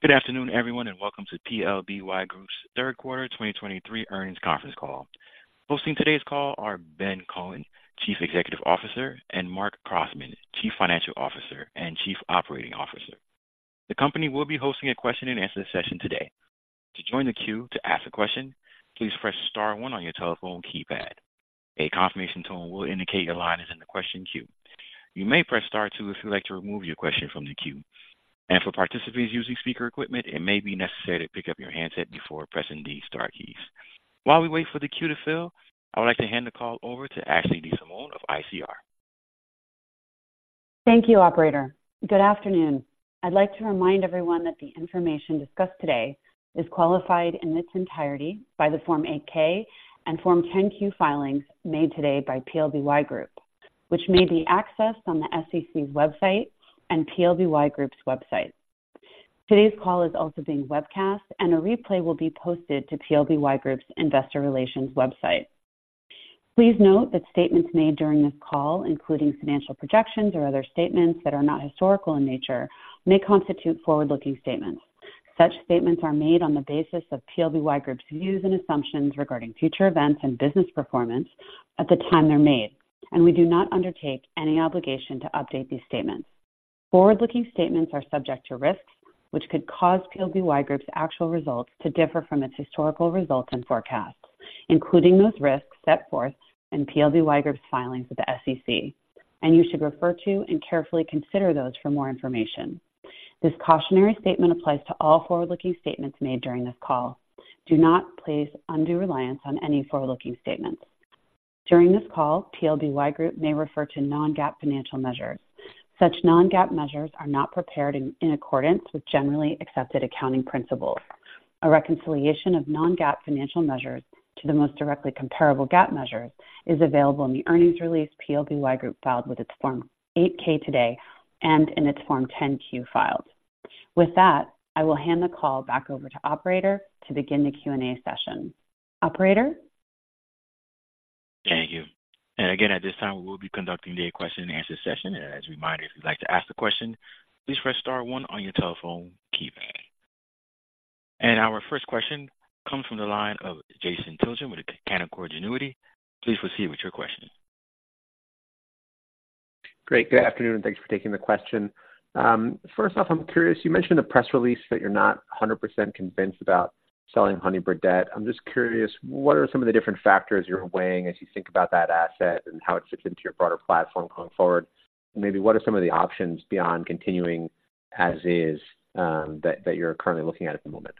Good afternoon, everyone, and welcome to PLBY Group's third quarter 2023 earnings conference call. Hosting today's call are Ben Kohn, Chief Executive Officer, and Marc Crossman, Chief Financial Officer and Chief Operating Officer. The company will be hosting a question and answer session today. To join the queue to ask a question, please press star one on your telephone keypad. A confirmation tone will indicate your line is in the question queue. You may press star two if you'd like to remove your question from the queue. And for participants using speaker equipment, it may be necessary to pick up your handset before pressing the star keys. While we wait for the queue to fill, I would like to hand the call over to Ashley DeSimone of ICR. Thank you, operator. Good afternoon. I'd like to remind everyone that the information discussed today is qualified in its entirety by the Form 8-K and Form 10-Q filings made today by PLBY Group, which may be accessed on the SEC's website and PLBY Group's website. Today's call is also being webcast, and a replay will be posted to PLBY Group's investor relations website. Please note that statements made during this call, including financial projections or other statements that are not historical in nature, may constitute forward-looking statements. Such statements are made on the basis of PLBY Group's views and assumptions regarding future events and business performance at the time they're made, and we do not undertake any obligation to update these statements. Forward-looking statements are subject to risks which could cause PLBY Group's actual results to differ from its historical results and forecasts, including those risks set forth in PLBY Group's filings with the SEC, and you should refer to and carefully consider those for more information. This cautionary statement applies to all forward-looking statements made during this call. Do not place undue reliance on any forward-looking statements. During this call, PLBY Group may refer to non-GAAP financial measures. Such non-GAAP measures are not prepared in accordance with generally accepted accounting principles. A reconciliation of non-GAAP financial measures to the most directly comparable GAAP measures is available in the earnings release PLBY Group filed with its Form 8-K today and in its Form 10-Q filed. With that, I will hand the call back over to Operator to begin the Q&A session. Operator? Thank you. And again, at this time, we will be conducting the question and answer session. As a reminder, if you'd like to ask the question, please press star one on your telephone keypad. And our first question comes from the line of Jason Tilchen with Canaccord Genuity. Please proceed with your question. Great. Good afternoon, and thanks for taking the question. First off, I'm curious, you mentioned in the press release that you're not a hundred percent convinced about selling Honey Birdette. I'm just curious, what are some of the different factors you're weighing as you think about that asset and how it fits into your broader platform going forward? Maybe what are some of the options beyond continuing as is, that you're currently looking at the moment?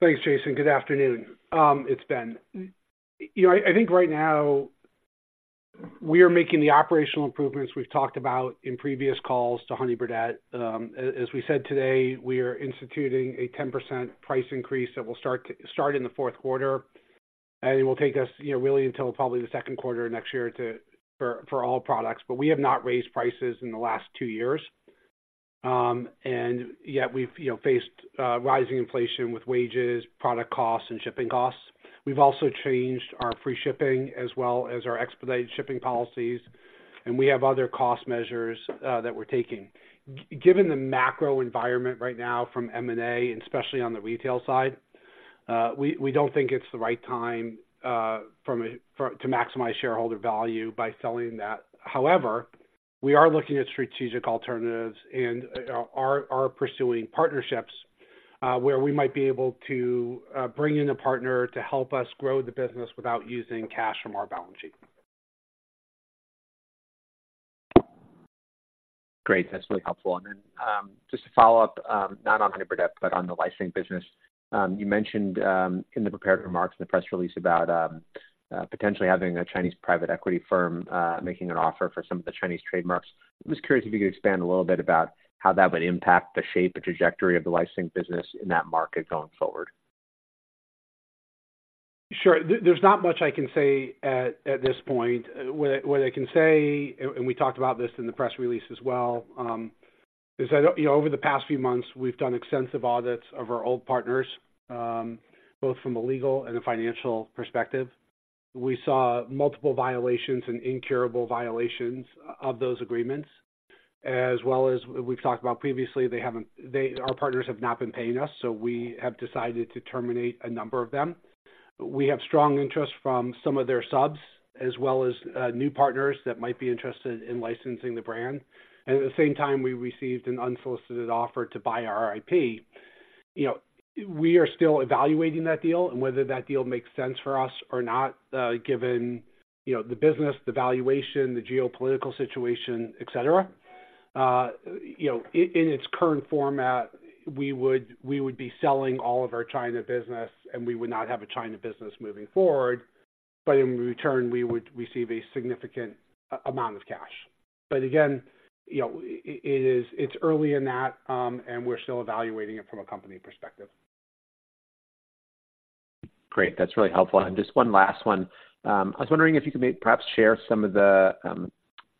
Thanks, Jason. Good afternoon. It's Ben. You know, I think right now we are making the operational improvements we've talked about in previous calls to Honey Birdette. As we said today, we are instituting a 10% price increase that will start in the fourth quarter, and it will take us, you know, really until probably the second quarter of next year to for all products. But we have not raised prices in the last two years, and yet we've, you know, faced rising inflation with wages, product costs, and shipping costs. We've also changed our free shipping as well as our expedited shipping policies, and we have other cost measures that we're taking. Given the macro environment right now from M&A, especially on the retail side, we don't think it's the right time from a to maximize shareholder value by selling that. However, we are looking at strategic alternatives and are pursuing partnerships where we might be able to bring in a partner to help us grow the business without using cash from our balance sheet. Great. That's really helpful. And then, just to follow up, not on Honey Birdette, but on the licensing business. You mentioned, in the prepared remarks in the press release about, potentially having a Chinese private equity firm, making an offer for some of the Chinese trademarks. I'm just curious if you could expand a little bit about how that would impact the shape and trajectory of the licensing business in that market going forward. Sure. There's not much I can say at this point. What I can say, and we talked about this in the press release as well, is that, you know, over the past few months, we've done extensive audits of our old partners, both from a legal and a financial perspective. We saw multiple violations and incurable violations of those agreements, as well as we've talked about previously, they haven't, our partners have not been paying us, so we have decided to terminate a number of them. We have strong interest from some of their subs, as well as new partners that might be interested in licensing the brand. And at the same time, we received an unsolicited offer to buy our IP. You know, we are still evaluating that deal and whether that deal makes sense for us or not, given, you know, the business, the valuation, the geopolitical situation, et cetera. In its current format, we would be selling all of our China business, and we would not have a China business moving forward, but in return, we would receive a significant amount of cash. But again, you know, it is, it's early in that, and we're still evaluating it from a company perspective. Great. That's really helpful. And just one last one. I was wondering if you could maybe perhaps share some of the,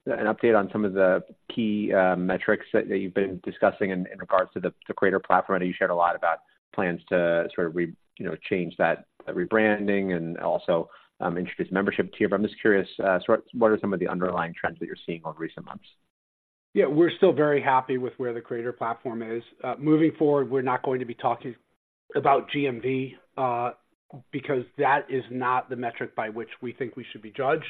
an update on some of the key metrics that you've been discussing in regards to the Creator Platform. I know you shared a lot about plans to sort of re-- you know, change that rebranding and also, introduce membership tier. But I'm just curious, so what are some of the underlying trends that you're seeing over recent months?... Yeah, we're still very happy with where the creator platform is. Moving forward, we're not going to be talking about GMV, because that is not the metric by which we think we should be judged.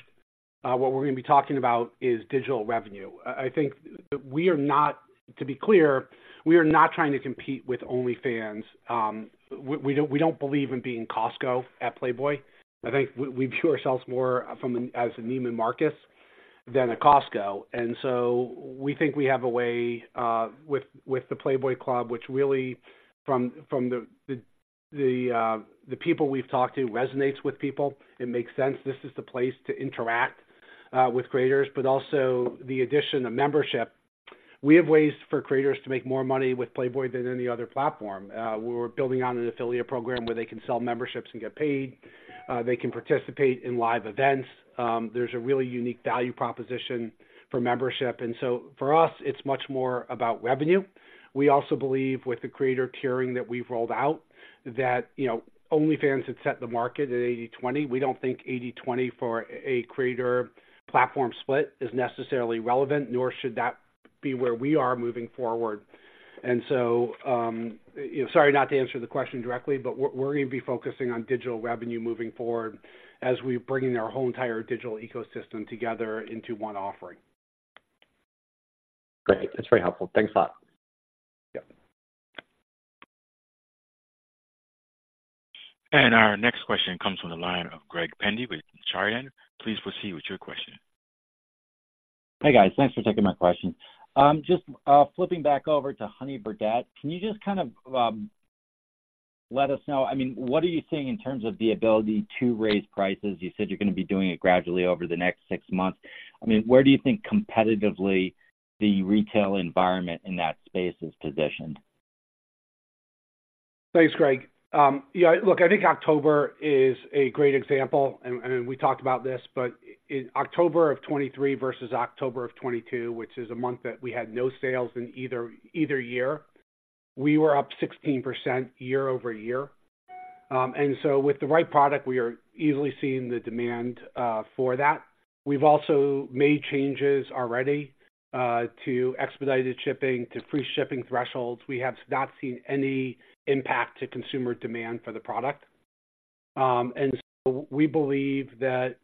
What we're going to be talking about is digital revenue. I, I think we are not, to be clear, we are not trying to compete with OnlyFans. We don't believe in being Costco at Playboy. I think we view ourselves more as a Neiman Marcus than a Costco, and so we think we have a way with the Playboy Club, which really from the people we've talked to resonates with people. It makes sense. This is the place to interact with creators, but also the addition of membership. We have ways for creators to make more money with Playboy than any other platform. We're building on an affiliate program where they can sell memberships and get paid. They can participate in live events. There's a really unique value proposition for membership, and so for us, it's much more about revenue. We also believe with the creator tiering that we've rolled out, that, you know, OnlyFans had set the market at 80/20. We don't think 80/20 for a creator platform split is necessarily relevant, nor should that be where we are moving forward. And so, sorry, not to answer the question directly, but we're going to be focusing on digital revenue moving forward as we're bringing our whole entire digital ecosystem together into one offering. Great. That's very helpful. Thanks a lot. Yep. Our next question comes from the line of Greg Pendy with Chardan. Please proceed with your question. Hey, guys. Thanks for taking my question. Just flipping back over to Honey Birdette, can you just kind of let us know, I mean, what are you seeing in terms of the ability to raise prices? You said you're going to be doing it gradually over the next six months. I mean, where do you think competitively the retail environment in that space is positioned? Thanks, Greg. Yeah, look, I think October is a great example, and we talked about this, but in October of 2023 versus October of 2022, which is a month that we had no sales in either year, we were up 16% year-over-year. And so with the right product, we are easily seeing the demand for that. We've also made changes already to expedited shipping, to free shipping thresholds. We have not seen any impact to consumer demand for the product. And so we believe that,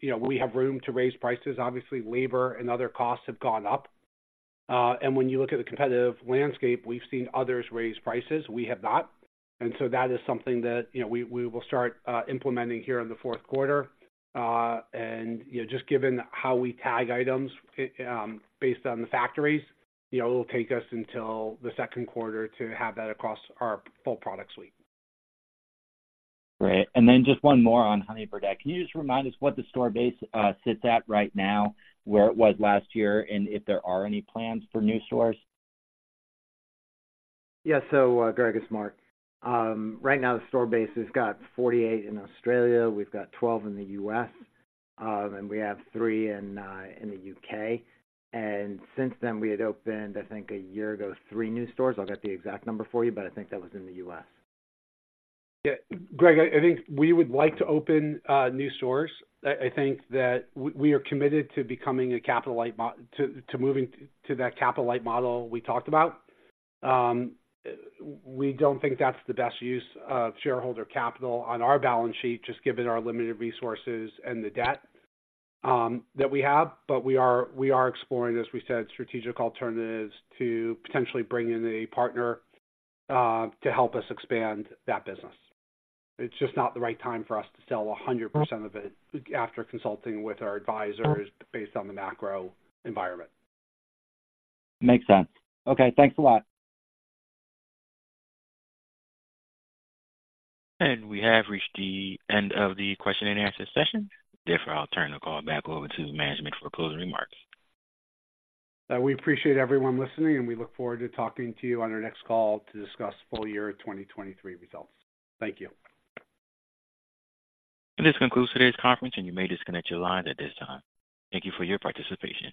you know, we have room to raise prices. Obviously, labor and other costs have gone up. And when you look at the competitive landscape, we've seen others raise prices. We have not. And so that is something that, you know, we will start implementing here in the fourth quarter. You know, just given how we tag items, based on the factories, you know, it'll take us until the second quarter to have that across our full product suite. Great. Then just one more on Honey Birdette. Can you just remind us what the store base sits at right now, where it was last year, and if there are any plans for new stores? Yes. So, Greg, it's Marc. Right now, the store base has got 48 in Australia, we've got 12 in the U.S., and we have three in the U.K. And since then, we had opened, I think a year ago, three new stores. I'll get the exact number for you, but I think that was in the U.S. Yeah, Greg, I think we would like to open new stores. I think that we are committed to moving to that capital light model we talked about. We don't think that's the best use of shareholder capital on our balance sheet, just given our limited resources and the debt that we have. But we are exploring, as we said, strategic alternatives to potentially bring in a partner to help us expand that business. It's just not the right time for us to sell 100% of it after consulting with our advisors based on the macro environment. Makes sense. Okay, thanks a lot. We have reached the end of the question and answer session. Therefore, I'll turn the call back over to management for closing remarks. We appreciate everyone listening, and we look forward to talking to you on our next call to discuss full year 2023 results. Thank you. This concludes today's conference, and you may disconnect your lines at this time. Thank you for your participation.